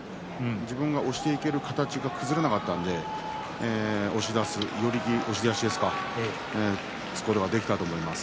自分が押していける形が崩れなかったので押し出しすることができたと思います。